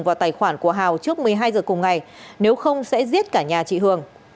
vào tài khoản của hào trước một mươi hai giờ cùng ngày nếu không sẽ giết cả nhà chị hường